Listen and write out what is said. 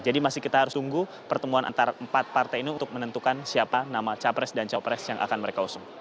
jadi masih kita harus tunggu pertemuan antara empat partai ini untuk menentukan siapa nama capres dan copres yang akan mereka usung